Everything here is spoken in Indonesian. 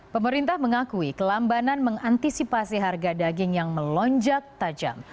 pemerintah mengakui kelambanan mengantisipasi harga daging yang melonjak tajam